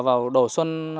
vào đổ xuân